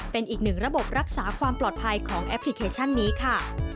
เป็นอีกหนึ่งระบบรักษาความปลอดภัยของแอปพลิเคชันนี้ค่ะ